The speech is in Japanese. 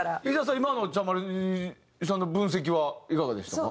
今のちゃんＭＡＲＩさんの分析はいかがでしたか？